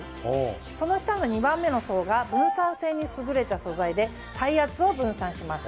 その下の２番目の層が分散性に優れた素材で体圧を分散します。